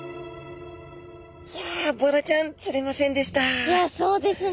いやボラちゃん釣れませんでした。